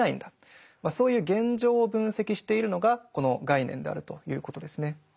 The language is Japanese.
そういう現状を分析しているのがこの概念であるということですね。